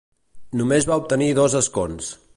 Només va obtenir dos escons.